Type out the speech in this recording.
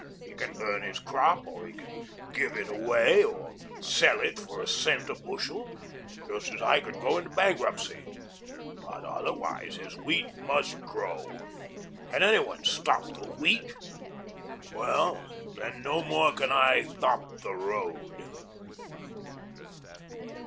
He can burn his crop, or he can give it away, or sell it for a cent a bushel just as I could go into bankruptcy but otherwise his Wheat must grow. Can any one stop the Wheat? Well, then no more can I stop the Road."